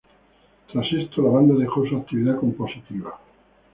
Tras esto la banda dejó su actividad compositiva.